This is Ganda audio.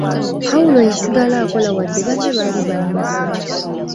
Pawulo yasigala akola wadde banne baali banyuse.